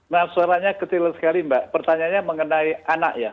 nah suaranya kecil sekali mbak pertanyaannya mengenai anak ya